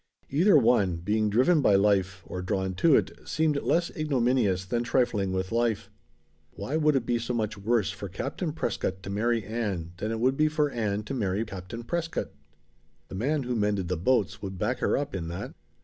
Either one, being driven by life, or drawn to it, seemed less ignominious than trifling with life. Why would it be so much worse for Captain Prescott to marry Ann than it would be for Ann to marry Captain Prescott? The man who mended the boats would back her up in that!